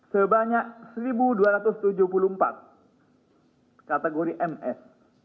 sebanyak satu dua ratus tujuh puluh empat kategori ms